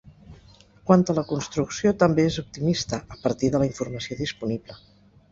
Quant a la construcció, també és optimista, a partir de la informació disponible.